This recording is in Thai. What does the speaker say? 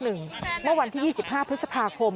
เมื่อวันที่๒๕พฤษภาคม